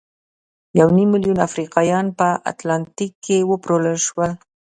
یو نیم میلیون افریقایان په اتلانتیک کې وپلورل شول.